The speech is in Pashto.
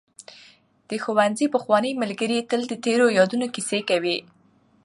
د ښوونځي پخواني ملګري تل د تېرو یادونو کیسې کوي.